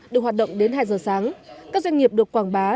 được hoạt động đến hai giờ sáng các doanh nghiệp được quảng bá